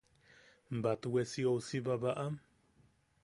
¿Batwe si ousi babaʼam?